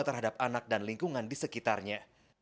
terhadap anak dan lingkungan di sekitarnya